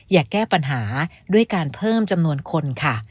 อย่าแก้ปัญหาด้วยการเพิ่มจำนวนคนค่ะ